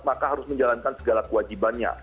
maka harus menjalankan segala kewajibannya